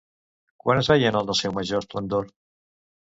Quan es veien en el seu major esplendor?